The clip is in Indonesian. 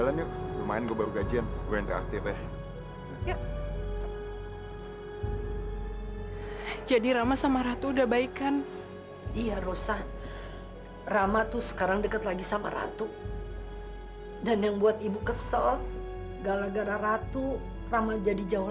sampai jumpa di video selanjutnya